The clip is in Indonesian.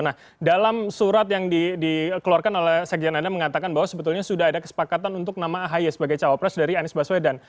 nah dalam surat yang dikeluarkan oleh sekjen anda mengatakan bahwa sebetulnya sudah ada kesepakatan untuk nama ahy sebagai cawapres dari anies baswedan